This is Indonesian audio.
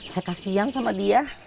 saya kasihan sama dia